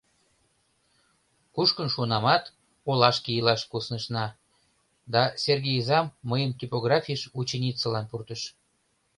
Кушкын шуынамат, олашке илаш куснышна, да Серге изам мыйым типографийыш ученицылан пуртыш.